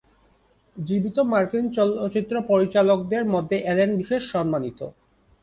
জীবিত মার্কিন চলচ্চিত্র পরিচালকদের মধ্যে অ্যালেন বিশেষ সম্মানিত।